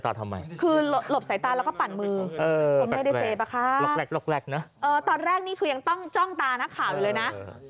ตอนแรกนี่คือยังต้องจ้องตานักข่าวอยู่เลยนะ